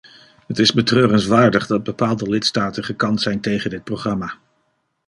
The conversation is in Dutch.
Het is betreurenswaardig dat bepaalde lidstaten gekant zijn tegen dit programma.